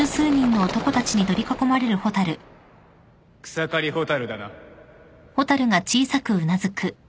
草刈蛍だな？